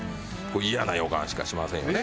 嫌な予感しかしませんよね。